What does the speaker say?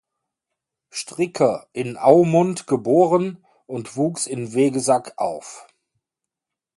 Stricker in Aumund geboren und wuchs in Vegesack auf.